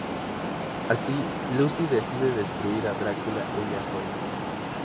Así, Lucy decide destruir a Drácula ella sola.